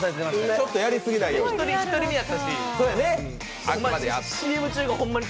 ちょっとやりすぎないように。